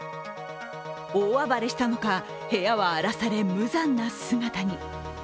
大暴れしたのか、部屋は荒らされ無残な姿に。